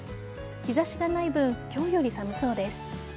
日差しがない分今日より寒そうです。